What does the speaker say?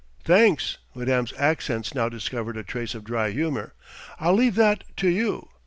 "Thanks!" Madame's accents now discovered a trace of dry humour. "I'll leave that to you.